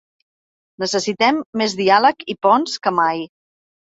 Necessitem més diàleg i ponts que mai.